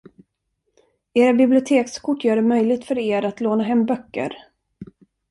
Era bibliotekskort gör det möjligt för er att låna hem böcker.